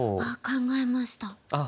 あっ考えました。